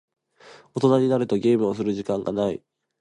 大人になるとゲームをする時間がない。